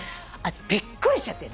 びっくりしちゃって。